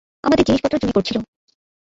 আমাদের জিনিস পত্র চুরি করছিল।